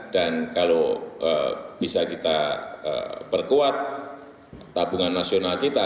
dan kalau bisa kita perkuat tabungan nasional kita